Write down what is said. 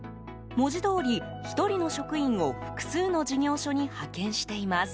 文字どおり、１人の職員を複数の事業所に派遣しています。